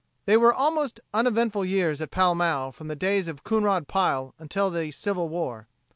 They were almost uneventful years at Pall Mall from the days of Coonrod Pile until the Civil War.